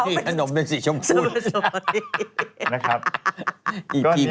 ขนมเป็นสีชมพูด